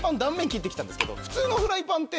普通のフライパンって。